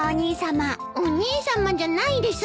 お兄さまじゃないです！